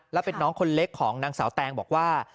แล้วเป็นน้องคนเล็กของนางสาวแตงบอกว่า